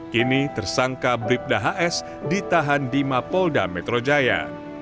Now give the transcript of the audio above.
kini tersangka bribda hs ditahan di mapolda metro jaya